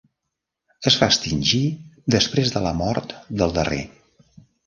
Es va extingir després de la mort del darrer.